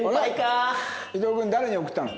伊藤君誰に送ったの？